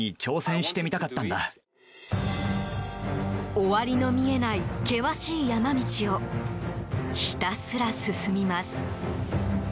終わりの見えない険しい山道をひたすら進みます。